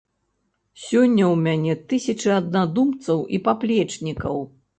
Сёння ў мяне тысячы аднадумцаў і паплечнікаў.